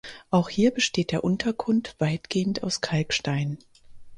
Auch hier besteht der Untergrund weitgehend aus Kalkstein.